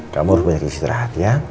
kamu harus menjadi istirahat ya